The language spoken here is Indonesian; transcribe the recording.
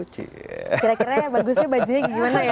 kira kira bagusnya bajunya gimana ya